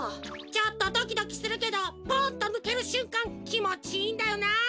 ちょっとドキドキするけどポンッとぬけるしゅんかんきもちいいんだよな！